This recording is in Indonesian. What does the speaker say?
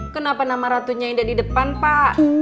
kenapa nama ratunya indah di depan pak